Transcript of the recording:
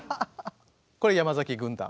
これ山崎軍団。